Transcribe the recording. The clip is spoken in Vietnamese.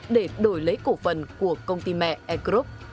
để đổi lấy cổ phần của công ty mẹ air group